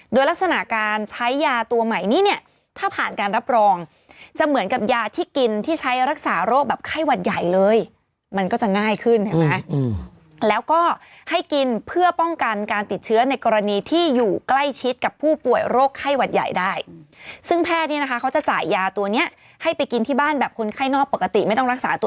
โดยลักษณะการใช้ยาตัวใหม่นี้เนี่ยถ้าผ่านการรับรองจะเหมือนกับยาที่กินที่ใช้รักษาโรคแบบไข้หวัดใหญ่เลยมันก็จะง่ายขึ้นเห็นไหมแล้วก็ให้กินเพื่อป้องกันการติดเชื้อในกรณีที่อยู่ใกล้ชิดกับผู้ป่วยโรคไข้หวัดใหญ่ได้ซึ่งแพทย์เนี่ยนะคะเขาจะจ่ายยาตัวเนี้ยให้ไปกินที่บ้านแบบคนไข้นอกปกติไม่ต้องรักษาตัว